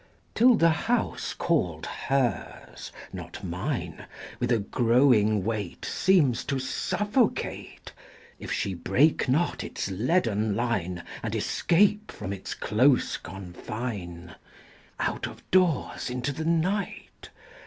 Till the house called hers, not mine, With a growing weight Seems to suffocate If she break not its leaden line And escape from its close confine. XVII. Out of doors into the night!